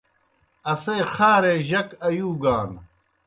اسے خارے جک آیُوگان۔